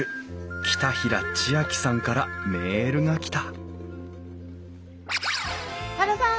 北平知亜季さんからメールが来たハルさん